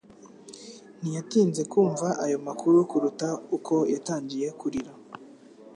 Ntiyatinze kumva ayo makuru kuruta uko yatangiye kurira